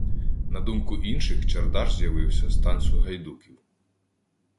На думку інших, чардаш з'явився з танцю гайдуків.